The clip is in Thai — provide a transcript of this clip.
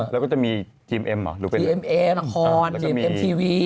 แล้วก็จะมีทีมเอ็มเหรอหรือเป็นทีมเอ็มเอ็มละครทีมเอ็มทีวี